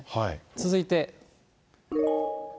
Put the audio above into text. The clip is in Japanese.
続いて。